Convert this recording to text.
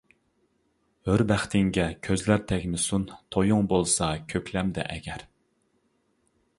ھۆر بەختىڭگە كۆزلەر تەگمىسۇن، تۇيۇڭ بولسا كۆكلەمدە ئەگەر.